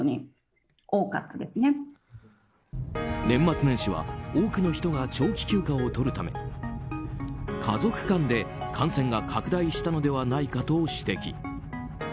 年末年始は多くの人が長期休暇をとるため家族間で感染が拡大したのではないかと指摘。